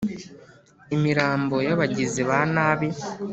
Imirambo y abagizi ba nabi